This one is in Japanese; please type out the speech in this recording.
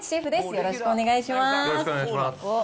よろしくお願いします。